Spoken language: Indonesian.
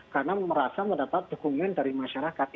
karena merasa mendapat dukungan dari masyarakat